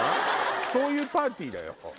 そういうパーティーだよ。